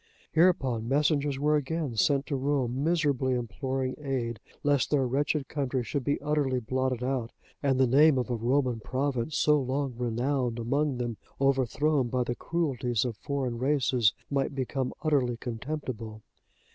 Hereupon messengers were again sent to Rome miserably imploring aid, lest their wretched country should be utterly blotted out, and the name of a Roman province, so long renowned among them, overthrown by the cruelties of foreign races, might become utterly contemptible.